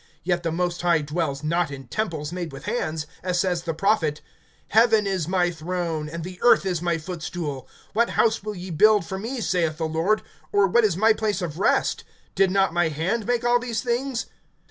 (48)Yet the Most High dwells not in temples made with hands; as says the prophet: (49)Heaven is my throne, And the earth is my footstool. What house will ye build for me, saith the Lord; Or what is my place of rest? (50)Did not my hand make all these things?